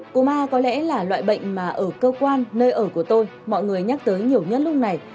cú ma có lẽ là loại bệnh mà ở cơ quan nơi ở của tôi mọi người nhắc tới nhiều nhất lúc này